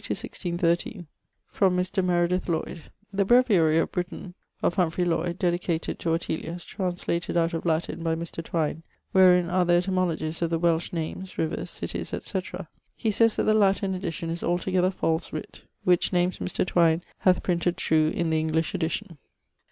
☞ From Mr. Meredith Lloyd 'The Breviarie of Britaine of Humphrey Lloyd, dedicated to Ortelius, translated out of Latine by Mr. Twyne, wherein are the etymologies of the Welsh names, rivers, cities, etc.' He says that the Latin edition is altogether false writt, which names Mr. Twyne hath printed true in the English edition.